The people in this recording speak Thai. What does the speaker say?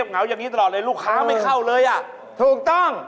ก็สิ่งที่เจ๊เคยขายกันแล้วกัน